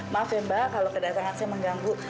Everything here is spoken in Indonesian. maaf ya mbak kalau kedatangan saya mengganggu